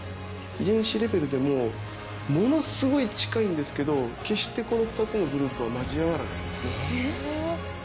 遺伝子レベルでもものすごい近いんですけど決してこの２つのグループは交わらないですね。